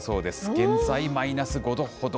現在マイナス５度ほど。